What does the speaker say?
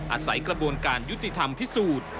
อาศัยกระบวนการยุติธรรมพิสูจน์